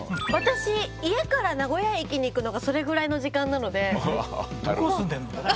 家から名古屋駅に行くのがそれぐらいの時間なので。